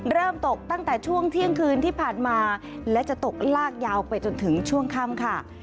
เริ่มตกตั้งแต่ช่วงเที่ยงคืนที่ผ่านมาและจะตกลากยาวไปจนถึงช่วงค่ำค่ะ